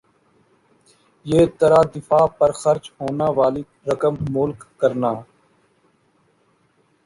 یِہ طرح دفاع پر خرچ ہونا والی رقم ملک کرنا